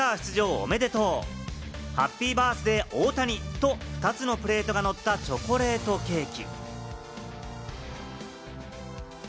おめでとう、ハッピーバースデー大谷と、２つのプレートがのったチョコレートケーキ。